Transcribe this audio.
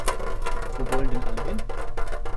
Wo wollen die denn alle hin?